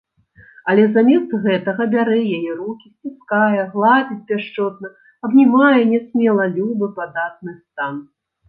Але замест гэтага бярэ яе рукі, сціскае, гладзіць пяшчотна, абнімае нясмела любы, падатны стан.